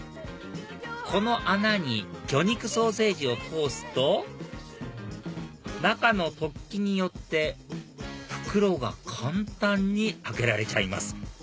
この穴に魚肉ソーセージを通すと中の突起によって袋が簡単に開けられちゃいます